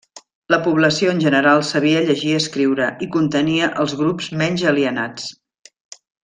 La població en general sabia llegir i escriure, i contenia els grups menys alienats.